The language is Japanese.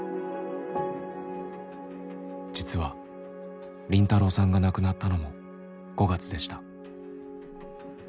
実は凜太郎さんが亡くなったのも５月でした。